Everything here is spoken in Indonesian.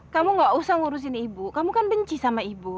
kamu gak usah ngurusin ibu kamu kan benci sama ibu